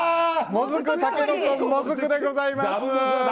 もずく、タケノコ、もずくでございます！